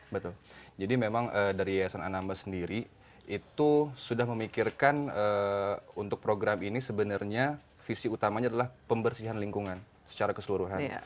betul jadi memang dari yayasan anambas sendiri itu sudah memikirkan untuk program ini sebenarnya visi utamanya adalah pembersihan lingkungan secara keseluruhan